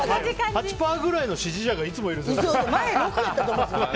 ８％ぐらいの支持者がいつもいるんですよね。